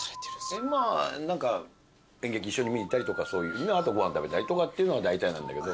まあ演劇一緒に見に行ったりとかご飯食べたりとかっていうのがだいたいなんだけど。